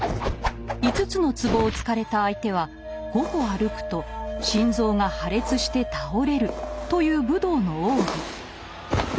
５つのツボを突かれた相手は五歩歩くと心臓が破裂して倒れるという武道の奥義。